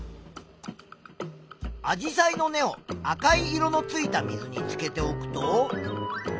アジサイの根を赤い色のついた水につけておくと。